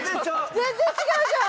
全然違うじゃん！